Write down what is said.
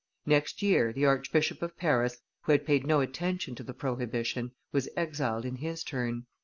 Next year, the Archbishop of Paris, who had paid no attention to the prohibition, was exiled in his turn.